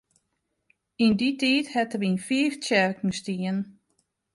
Yn dy tiid hat er yn fiif tsjerken stien.